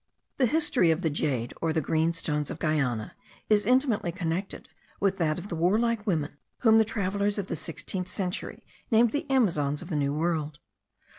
The history of the jade, or the green stones of Guiana, is intimately connected with that of the warlike women whom the travellers of the sixteenth century named the Amazons of the New World.